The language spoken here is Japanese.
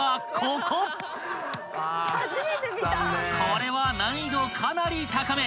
［これは難易度かなり高め！］